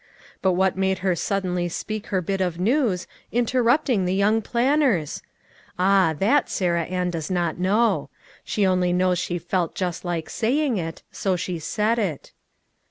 But what made her suddenly speak her bit of news, interrupting the young planners ? Ah, that Sarah Ann does not know; she only knows she felt just like saying it, so she said it.